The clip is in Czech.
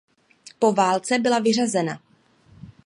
Po válce byla vyřazena.